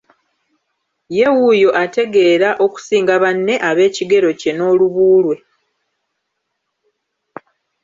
Ye wuuyo ategeera okusinga banne ab'ekigero kye n'olubu lwe.